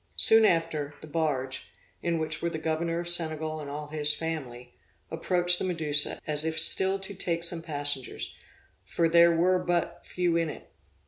Soon after, the barge, in which were the governor of Senegal and all his family, approached the Medusa, as if still to take some passengers, for there were but few in it.